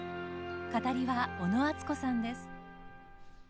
語りは小野あつこさんです。